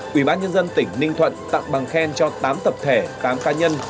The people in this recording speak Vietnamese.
quỹ bác nhân dân tỉnh ninh thuận tặng bằng khen cho tám tập thể tám cá nhân